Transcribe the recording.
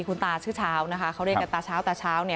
คุณตาชื่อชาวนะคะเขาเรียกกันตาชาวตาชาวเนี่ย